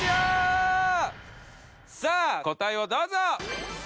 さあ答えをどうぞ！